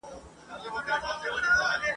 اوس له دي بوډۍ لکړي چاته په فریاد سمه !.